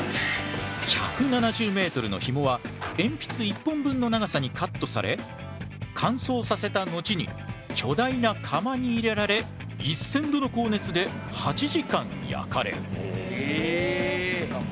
１７０メートルのひもはえんぴつ１本分の長さにカットされ乾燥させた後に巨大な釜に入れられ１，０００度の高熱で８時間焼かれる。